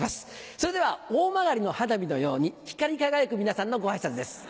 それでは大曲の花火のように光り輝く皆さんのご挨拶です。